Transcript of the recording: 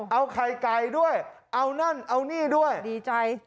เอาไข่ไก่ด้วยเอานั่นเอานี่ด้วยดีใจ